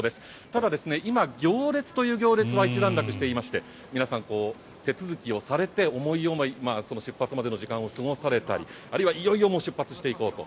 ただ、今、行列という行列は一段落していまして皆さん、手続きをされて思い思い、出発までの時間を過ごされたり、あるいはいよいよ出発していこうと。